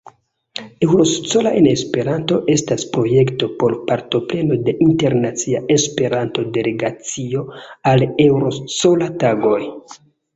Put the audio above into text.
Euroscola-en-Esperanto estas projekto por "partopreno de internacia Esperanto-delegacio al Euroscola-tagoj".